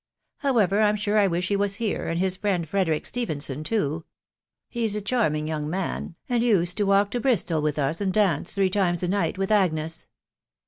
.•. However, I'm sure I wish he was here, and his friend Fre derick Stephenson too. ••. He's a charming young man, and used to walk to Bristol with us, and dance three times a night with Agnes."